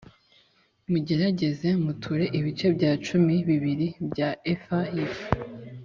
mugerageze muture ibice bya cumi bibiri bya efa y ifu